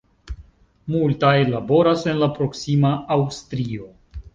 Multaj laboras en la proksima Aŭstrio.